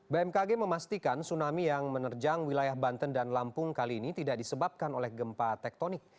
bmkg memastikan tsunami yang menerjang wilayah banten dan lampung kali ini tidak disebabkan oleh gempa tektonik